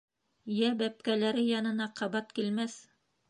Йә бәпкәләре янына ҡабат килмәҫ...